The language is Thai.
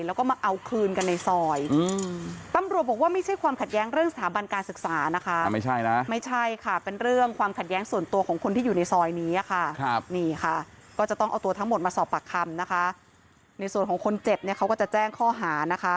สอบปากคำนะคะในส่วนของคนเจ็บเนี่ยเขาก็จะแจ้งข้อหานะคะ